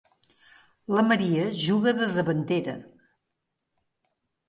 La Maria juga de davantera.